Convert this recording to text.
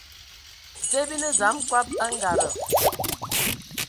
Dze bi ne dzam kɔb a angada.